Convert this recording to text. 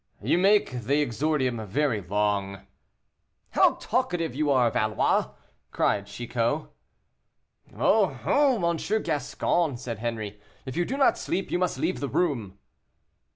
"You make the exordium very long." "How talkative you are, Valois!" cried Chicot. "Oh! oh! M. Gascon," said Henri, "if you do not sleep, you must leave the room."